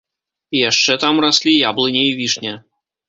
Яшчэ там раслі яблыня і вішня.